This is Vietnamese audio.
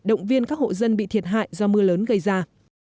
động viên các hộ dân bị thiệt hại do mưa lớn gây ra